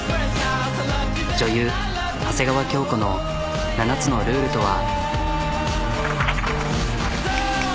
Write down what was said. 女優長谷川京子の７つのルールとは？